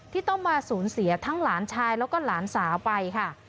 ที่ต้องมาสูญเสียทั้งหลานชายแล้วก็หลานสาวไปค่ะ